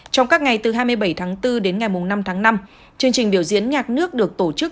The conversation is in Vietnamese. trong các ngày từ hai mươi bảy tháng bốn đến ngày năm tháng năm chương trình biểu diễn nhạc nước được tổ chức